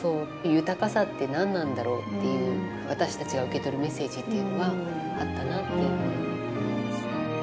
豊かさって何なんだろうっていう私たちが受け取るメッセージっていうのがあったなっていうふうに。